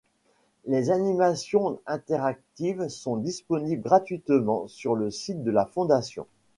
Les animations interactives sont disponibles gratuitement sur le site de la Fondation.